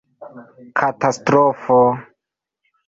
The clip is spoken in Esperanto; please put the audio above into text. Katastrofo!